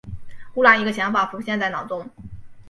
忽然一个想法浮现在脑中